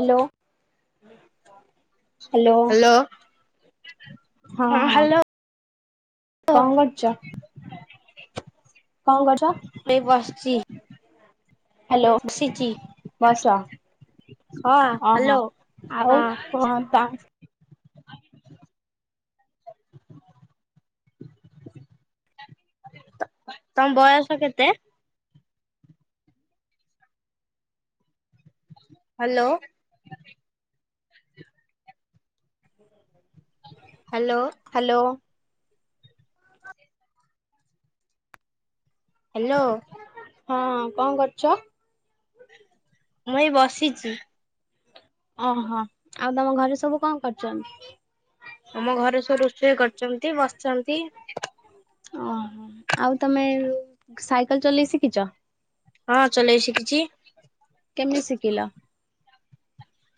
Hello hello. Hello. ହଁ ହଁ। କଣ କରୁଛ [unintelligible] କଣ କରୁଛ? ବସିଚି। ହ୍ୟାଲୋ ବସ। ହଁ ଓହୋ ହ୍ୟାଲୋ ଆଉ ହଁ କଣ ତା ଆ ତମ ବୟସ କେତେ? ହାଲୋ। Hello hello. ହାଲୋ। ହଁ କଣ କରୁଛ? ମୁଁ ଏ ବସିଚି। ଓହୋ ଆଉ ତମ ଘରେ ସବୁ କଣ କରୁଚନ୍ତି? ଆମ ଘରେ ସବୁ ରୋଷେଇ କରିୁଚନ୍ତି, ବସିଚନ୍ତି। ଓହୋ ଆଉ ତମେ ସାଇକେଲ ଚଲେଇ ଶିଖିଛ? ହଁ ଚଲେଇ ଶିଖିଚି। କେମିତି ଶିଖିଲ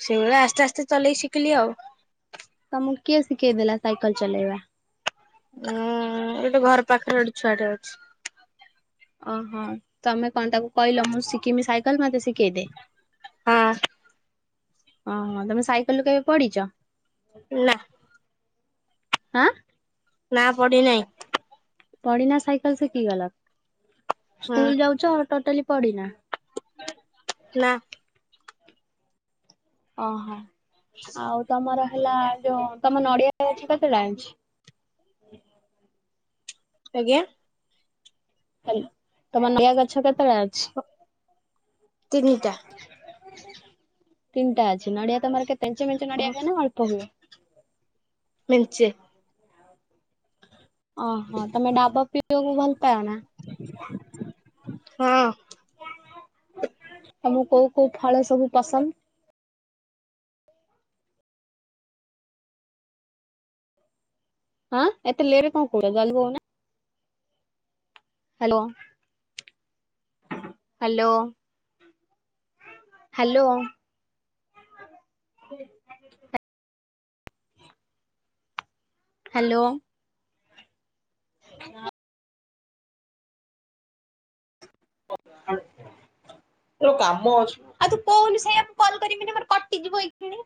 ସେଇ ଭଳିଆ ଆସ୍ତେ ଆସ୍ତେ ଚଲେଇ ଶିଖିଲି ଆଉ। ତମକୁ କିଏ ଶିଖେଇ ଦେଲା ସାଇକେଲ ଚଲେଇବା? ଉଁ ଘର ପାଖରେ ଗୋଟେ ଛୁଆଟେ ଅଛି। ଓହୋ ତମେ କଣ ତାକୁ କହିଲ ମୁଁ ଶିଖିମି ସାଇକେଲ ମତେ ଶିଖେଇ ଦେ। ହଁ ଓହୋ ତମେ ସାଇକେଲରୁୁ କେବେ ପଡିଛ? ନା। ଆଁ। ନା ପଡି ନା। ପଡିନା ସାଇକେଲ ଶିଖିଗଲ। ହଁ ସ୍କୁଲ ଯାଉଛ ଟୋଟାଲି ପଡିନା? ନା। ଓହୋ ଆଉ ତମର ହେଲା ଯୋଉ ତମ ନଡିଆ ଗଛ ତ ସେ ଜାଣିଛି। ଆଜ୍ଞା। ହାଲ ତମର ନଆ ଗଛ କେତେଟା ଅଛି? ତିନିଟା। ତିନଟା ଅଛି ନଡିଆ ତମର କେତେ ମେଞ୍ଚେ ମେଞ୍ଚେ ନଡିଆ ହୁଏ ନା ଅଳ୍ପ ହୁଏ। ମେଞ୍ଚେ। ଓହୋ ତମେ ଡାବ ପିଇବାକୁ ଭଲ ପାଅନା। ହଁ। ତମୁକୁ କୋଉ କୋଉ ଫଳ ସବୁ ପସନ୍ଦ? ହଁ ଏତେ ଲେରେ କଣ କହୁଚ ଜଲଦି କହୁନ। ହାଲୋ। Hello hello. [unintelligible] ହାଲୋ। ହଁ। [unintelligible] ଯୋଉ କାମ ଅଛି, ଆଉ ତୁ କହୁନୁ ସେଇଆ ମୁଁ କଲ୍ କରିବିନି ମୋର କଟିଯିବ ଏଥିରେ।